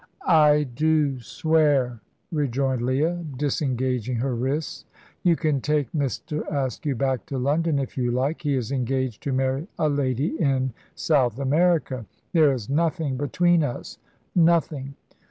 "I do swear," rejoined Leah, disengaging her wrists. "You can take Mr. Askew back to London if you like. He is engaged to marry a lady in South America. There is nothing between us nothing.